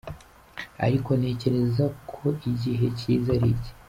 Ariko ntekereza ko igihe cyiza ari iki.